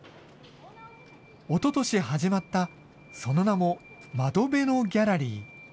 おととし始まった、その名も、窓辺のギャラリー。